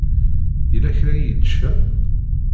Yella kra i yečča?